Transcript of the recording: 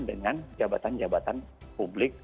dengan jabatan jabatan publik